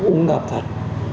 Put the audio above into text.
uống ngập thật